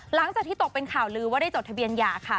หลังจากที่ตกเป็นข่าวลือว่าได้จดทะเบียนหย่าค่ะ